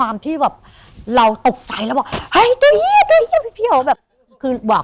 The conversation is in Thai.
มันเปิดปากดดูดแล้ว